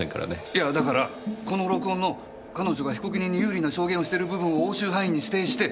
いやだからこの録音の彼女が被告人に有利な証言をしてる部分を押収範囲に指定して。